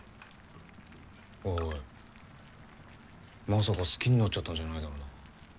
おいおいまさか好きになっちゃったんじゃないだろうな？